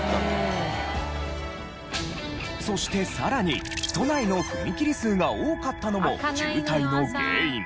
そしてさらに都内の踏切数が多かったのも渋滞の原因。